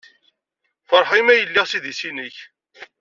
Feṛḥeɣ imi ay lliɣ s idis-nnek.